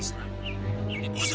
saya ingin berbicara